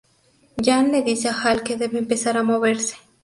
Jan le dice a Hall que debe empezar a moverse.